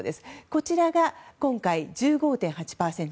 こちらが今回、１５．８％。